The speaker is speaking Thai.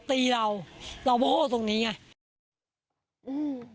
ตีเราเราโมโหตรงนี้ง่ะ